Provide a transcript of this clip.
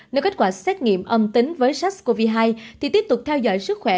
nếu kết quả xét nghiệm âm tính với sars cov hai thì tiếp tục theo dõi sức khỏe